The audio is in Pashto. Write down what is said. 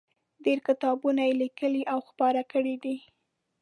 ډېر کتابونه یې لیکلي او خپاره کړي دي.